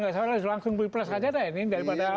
gak usah langsung beri press aja dah ya ini daripada